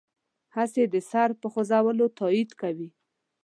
هسې د سر په خوځولو تایید کوي.